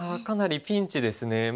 かなりピンチですね。